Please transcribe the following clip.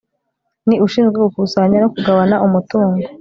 ni ushinzwe gukusanya no kugabana umutungo